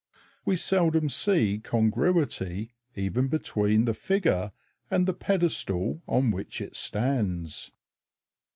We seldom see congruity even between the figure and the pedestal on which it stands.